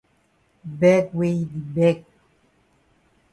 Beg wey yi di beg.